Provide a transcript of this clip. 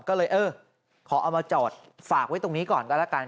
ก็เลยเออขอเอามาจอดฝากไว้ตรงนี้ก่อนก็แล้วกัน